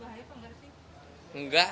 kalau kamu ngeliatnya